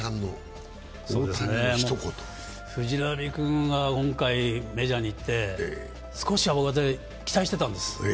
藤浪君が今回、メジャーに行って少しは期待してたんです。